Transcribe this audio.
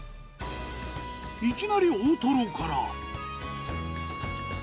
いきなり大トロから。